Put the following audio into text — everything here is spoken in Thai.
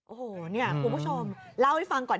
โอ้โหเนี่ยคุณผู้ชมเล่าให้ฟังก่อน